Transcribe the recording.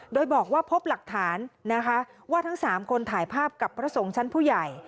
โดยบอกว่าพบหลักฐานนะคะว่าทั้ง๓คนถ่ายภาพกับพระสงฆ์ชั้นผู้ใหญ่